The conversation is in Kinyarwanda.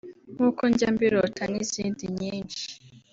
Nk’uko njya mbirota n’izindi nyinshi